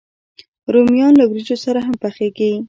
رومیان له وریجو سره هم پخېږي